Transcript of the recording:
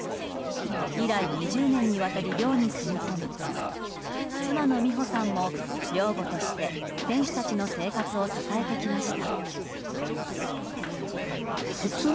以来、２０年にわたり寮に住み込み妻の美穂さんも寮母として選手たちの生活を支えてきました。